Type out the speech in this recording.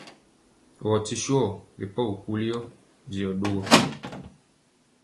Wɔ ti swɔ ri pɔgi kuli yɔ, jɔ ɗogɔ.